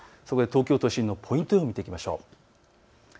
東京都心のポイント予報を見ていきましょう。